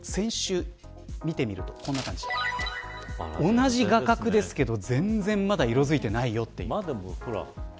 同じ画角ですけど、まだ全然色ついていないですよという。